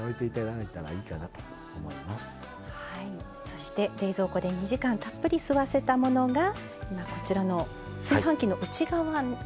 そして冷蔵庫で２時間たっぷり吸わせたものが今こちらの炊飯器の内釜に。